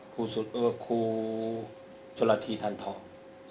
ครูสุดเอ่อครูจรฐีทันทอง